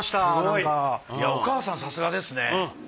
いやお母さんさすがですね。